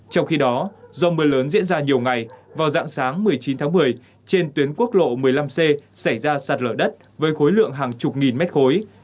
trong khi đó do mưa lớn diễn ra nhiều ngày vào dạng sáng một mươi chín tháng một mươi trên tuyến quốc lộ một mươi năm c xảy ra sạt lở đất với khối lượng hàng chục nghìn mét khối